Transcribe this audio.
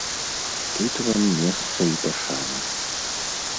Тут вам месца і пашана.